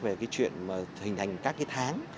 về cái chuyện mà hình hành các cái tháng